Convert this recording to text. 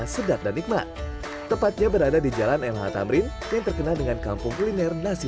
sedap dan nikmat tepatnya berada di jalan mh tamrin yang terkenal dengan kampung kuliner nasi